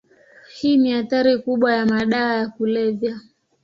Hii ni athari kubwa ya madawa ya kulevya.